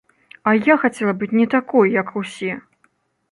А я хацела быць не такой, як усе!